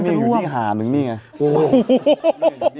มีอยู่อีกหานึงนี่ไง